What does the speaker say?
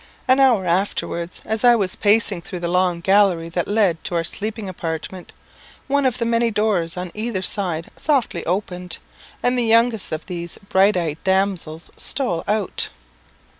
An hour afterwards, as I was pacing through the long gallery that led to our sleeping apartment, one of the many doors on either side softly opened, and the youngest of these bright eyed damsels stole out.